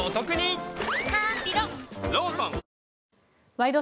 「ワイド！